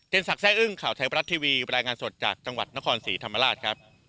สักแซ่อึ้งข่าวไทยบรัฐทีวีรายงานสดจากจังหวัดนครศรีธรรมราชครับ